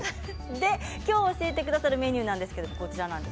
今日教えてくださるメニューです。